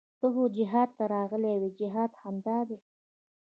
ته خو جهاد ته راغلى وې جهاد همدا دى.